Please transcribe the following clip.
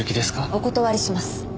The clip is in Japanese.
お断りします。